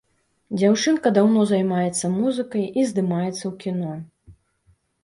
Дзяўчынка даўно займаецца музыкай і здымаецца ў кіно.